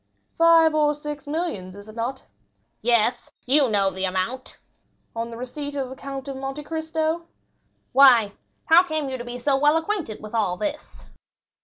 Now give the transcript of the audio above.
"Five or six millions, is it not?" "Yes, you know the amount." "On the receipt of the Count of Monte Cristo?" "Why, how came you to be so well acquainted with all this?"